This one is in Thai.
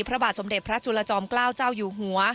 พระบาทสมเด็จพระจุลจอมเกล้าเจ้าอยู่หัว